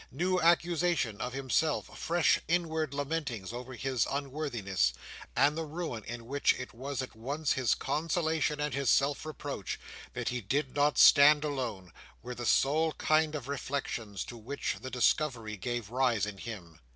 New accusation of himself, fresh inward lamentings over his own unworthiness, and the ruin in which it was at once his consolation and his self reproach that he did not stand alone, were the sole kind of reflections to which the discovery gave rise in him.